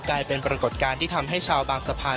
กลายเป็นปรากฏการณ์ที่ทำให้ชาวบางสะพาน